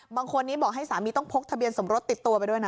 บางคนนี้บอกให้สามีต้องพกทะเบียนสมรสติดตัวไปด้วยนะ